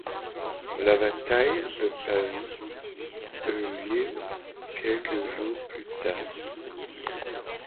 La bataille de Pavie eut lieu quelques jours plus tard.